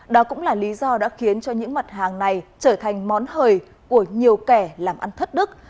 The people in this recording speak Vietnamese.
đó cũng là lý do đã khiến cho những mặt hàng này trở thành món hời của nhiều kẻ làm ăn thất đức